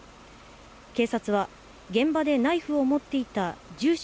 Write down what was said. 警察は、現場でナイフを持っていた住所